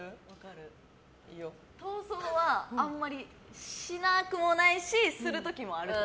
闘争はあんまりしなくもないしする時もある。